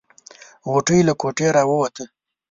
غوټۍ له کوټې راووته.